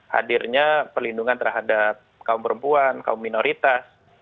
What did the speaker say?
hadirnya perlindungan terhadap kaum perempuan kaum minoritas